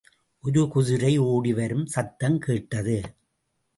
ஒரு குதிரை ஓடிவரும் சத்தம் கேட்டது.